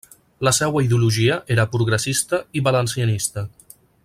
La seua ideologia era progressista i valencianista.